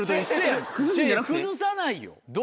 崩さないよ。